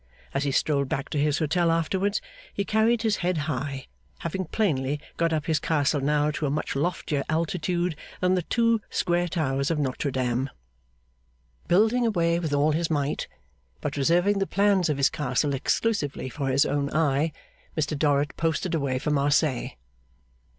As he strolled back to his hotel afterwards, he carried his head high: having plainly got up his castle now to a much loftier altitude than the two square towers of Notre Dame. Building away with all his might, but reserving the plans of his castle exclusively for his own eye, Mr Dorrit posted away for Marseilles.